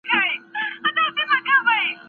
پولیسو په ښارونو کي د جرمونو کچه راټیټه کړې وه.